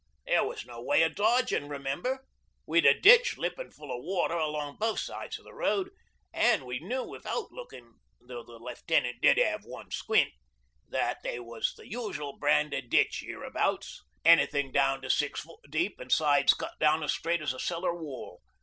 There was no way o' dodgin', remember. We'd a ditch lippin' full o' water along both sides o' the road an' we knew without lookin' though the Left'nant did 'ave one squint that they was the usual brand o' ditch hereabouts, anythin' down to six foot deep an' sides cut down as straight as a cellar wall.